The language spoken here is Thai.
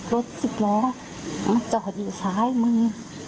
รถสิบล้อมาจอดอยู่ซ้ายมือ